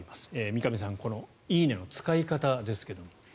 三上さん「いいね」の使い方ですけど。